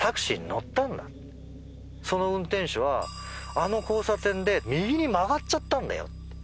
「その運転手はあの交差点で右に曲がっちゃったんだよ」